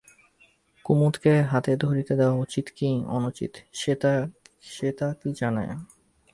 কুমুদকে হাত ধরিতে দেওয়া উচিত কি অনুচিত সে তার কী জানে।